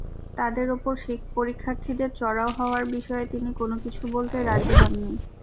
তাঁদের ওপর পরীক্ষার্থীদের চড়াও হওয়ার বিষয়ে তিনি কোনো কিছু বলতে রাজি হননি।